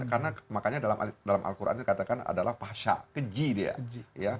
karena makanya dalam al qur'an dikatakan adalah pasha keji dia